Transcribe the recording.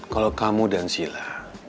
kalau kamu dan silah